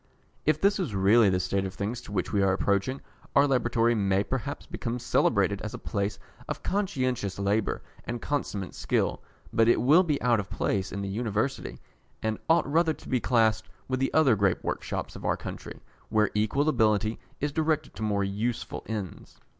If this is really the state of things to which we are approaching, our Laboratory may perhaps become celebrated as a place of conscientious labour and consummate skill, but it will be out of place in the University, and ought rather to be classed with the other great workshops of our country, where equal ability is directed to more useful ends.